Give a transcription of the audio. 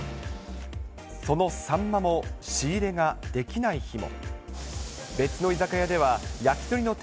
そのサンマも仕入れができない日も。